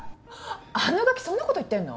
あのガキそんなこと言ってんの？